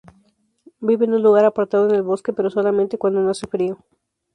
Vive en un lugar apartado, en el bosque, pero solamente cuando no hace frío.